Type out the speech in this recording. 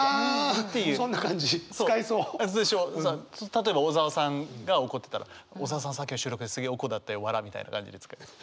例えば小沢さんが怒ってたら「小沢さんさっきの収録ですげえおこだったよわら」みたいな感じで使います。